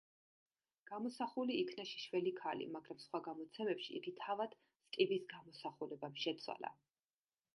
გამოსახული იქნა შიშველი ქალი, მაგრამ სხვა გამოცემებში იგი თავად სტივის გამოსახულებამ შეცვალა.